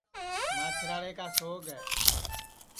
ماچھراڑے کا سوگ ہے